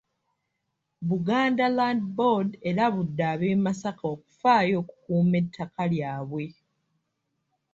Buganda Land Board erabudde ab'e Masaka okufaayo okukuuma ettaka lyabwe.